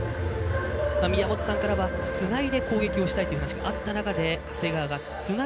宮本さんからはつないで攻撃をしたいという話がありました。